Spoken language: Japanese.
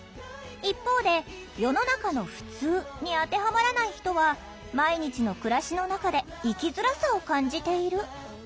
一方で「世の中のふつう」に当てはまらない人は毎日の暮らしの中で生きづらさを感じている。